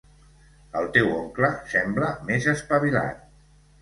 El teu oncle sembla més espavilat.